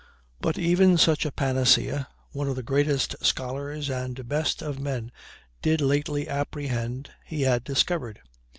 But even such a panacea one of the greatest scholars and best of men did lately apprehend he had discovered.